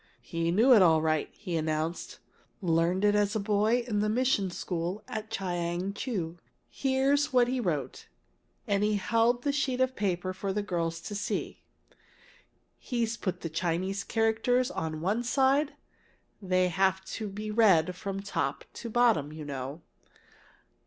"He knew it all right!" he announced. "Learned it as a boy in the mission school at Chiang chiu. Here's what he wrote." And he held the sheet of paper for the girls to see. "He's put the Chinese characters at one side. They have to be read from top to bottom, you know.